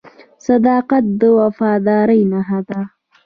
• صداقت د وفادارۍ نښه ده.